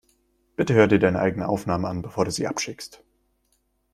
Bitte hör dir deine eigene Aufnahme an, bevor du sie abschickst.